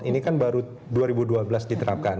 ini kan baru dua ribu dua belas diterapkan